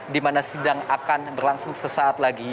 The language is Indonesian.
di mana sidang akan berlangsung sesaat lagi